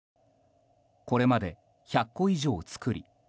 これまで１００個以上作り